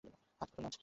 আজ পুতুল নাচ।